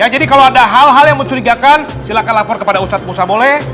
jadi kalau ada hal hal yang mencurigakan silahkan lapor kepada ustadz musa boleh